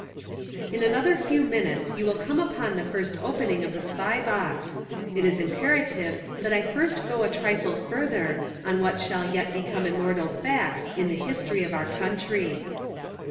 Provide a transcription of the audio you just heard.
In another few minutes you will come upon the first opening of the Spy box. It is imperative that I first go a trifle further on what shall yet become immortal facts in the history of our country.